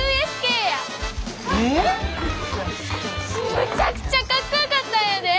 むちゃくちゃかっこよかったんやで！